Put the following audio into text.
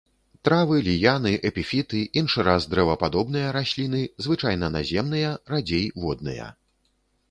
Травы, ліяны, эпіфіты, іншы раз дрэвападобныя расліны, звычайна наземныя, радзей водныя.